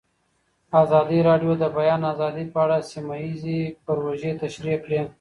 ازادي راډیو د د بیان آزادي په اړه سیمه ییزې پروژې تشریح کړې.